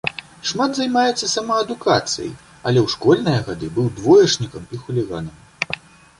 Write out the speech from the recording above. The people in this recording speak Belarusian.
Шмат займаецца самаадукацыяй, але ў школьныя гады быў двоечнікам і хуліганам.